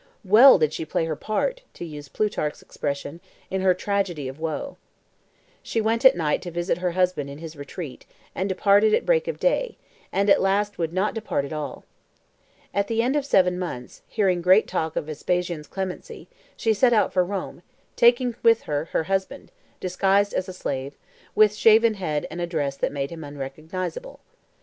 "Well did she play her part," to use Plutarch's expression, "in her tragedy of woe." She went at night to visit her husband in his retreat, and departed at break of day; and at last would not depart at all. At the end of seven months, hearing great talk of Vespasian's clemency, she set out for Rome, taking with her her husband, disguised as a slave, with shaven head and a dress that made him unrecognizable.